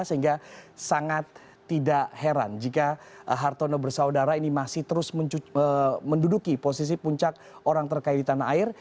sehingga sangat tidak heran jika hartono bersaudara ini masih terus menduduki posisi puncak orang terkaya di tanah air